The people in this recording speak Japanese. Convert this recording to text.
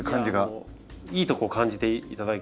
いいとこ感じていただいて。